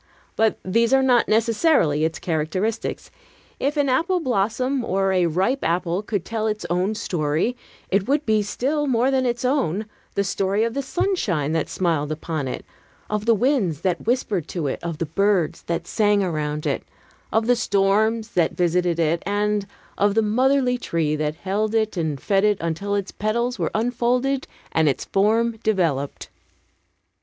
But these are not necessarily its characteristics. If an apple blossom or a ripe apple could tell its own story, it would be, still more than its own, the story of the sunshine that smiled upon it, of the winds that whispered to it, of the birds that sang around it, of the storms that visited it, and of the motherly tree that held it and fed it until its petals were unfolded and its form developed.